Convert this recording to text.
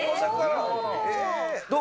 どう？